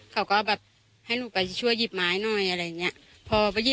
เขาก็แบบให้หนูไปช่วยหยิบไม้หน่อยอะไรอย่างนี้